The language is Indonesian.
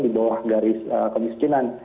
di bawah garis kemiskinan